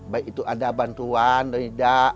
baik itu ada bantuan atau tidak